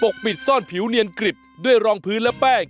กปิดซ่อนผิวเนียนกริบด้วยรองพื้นและแป้ง